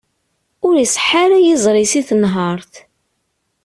Ur iṣeḥḥa ara yiẓri-is i tenhert.